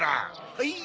はい。